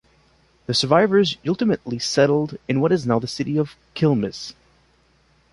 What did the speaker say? The survivors ultimately settled in what is now the city of Quilmes.